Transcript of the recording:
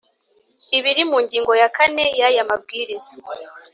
ibiri mu ngingo ya kane y aya mabwiriza